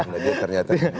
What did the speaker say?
karena dia ternyata